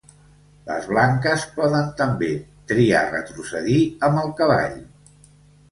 Les blanques poden també triar retrocedir amb el cavall.